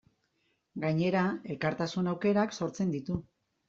Gainera, elkartasun aukerak sortzen ditu.